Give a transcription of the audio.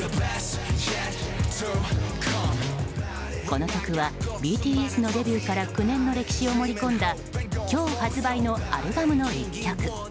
この曲はＢＴＳのデビューから９年の歴史を盛り込んだ今日発売のアルバムの１曲。